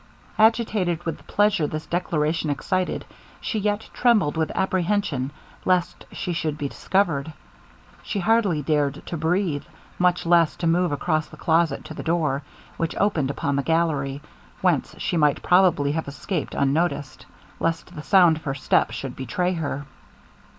Agitated with the pleasure this declaration excited, she yet trembled with apprehension lest she should be discovered. She hardly dared to breathe, much less to move across the closet to the door, which opened upon the gallery, whence she might probably have escaped unnoticed, lest the sound of her step should betray her.